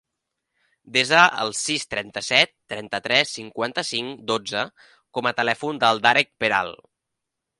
Desa el sis, trenta-set, trenta-tres, cinquanta-cinc, dotze com a telèfon del Darek Peral.